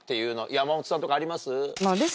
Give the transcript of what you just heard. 山本さんとかあります？